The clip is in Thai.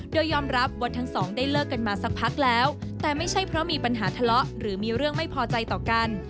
โดยยอมรับว่าทั้งสองได้เลิกกันมาสักพักแล้วแต่ไม่ใช่เพราะมีปัญหาทะเลาะหรือมีเรื่องไม่พอใจต่อกัน